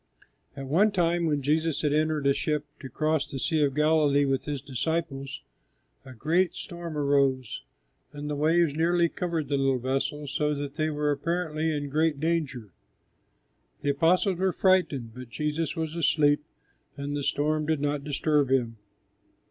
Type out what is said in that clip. At one time when Jesus had entered a ship to cross the Sea of Galilee with His disciples, a great storm arose and the waves nearly covered the little vessel, so that they were apparently in great danger. The disciples were frightened, but Jesus was asleep and the storm did not disturb Him.